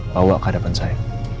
bawa ke hadapan saya